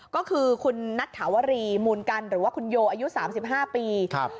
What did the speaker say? ก็คือคุณนัทถาวรีมูลกันหรือว่าคุณโยอายุสามสิบห้าปีครับ